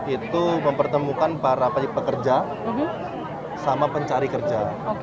itu mempertemukan para pekerja sama pencari kerja